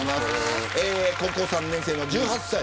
高校３年生、１８歳。